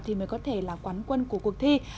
thì mới có thể là quán quân của cuộc thi